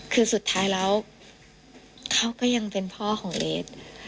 คือสุดท้ายแล้วเขาก็ยังเป็นพ่อของเอส